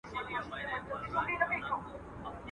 هر بنده، خپله ئې کرونده.